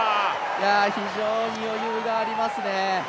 非常に余裕がありますね。